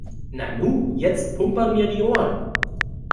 Nanu, jetzt pumpern mir die Ohren.